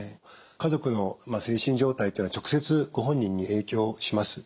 家族の精神状態っていうのは直接ご本人に影響します。